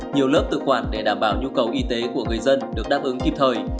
nhiều lớp tự quản để đảm bảo nhu cầu y tế của người dân được đáp ứng kịp thời